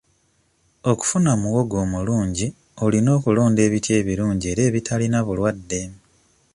Okufuna muwogo omulungi olina okulonda ebiti ebirungi era ebitalina bulwadde.